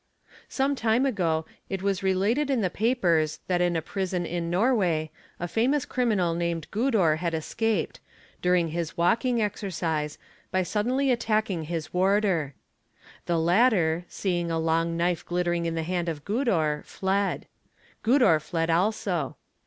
Sometime ago it was related in the papers that in a prison in Norway a famous criminal named Gudor had escaped, during his walk ing exercise, by suddenly attacking his warder. 'The latter, seeing a long cnife glittering in the hand of Gudor, fled. Gnudor fled also.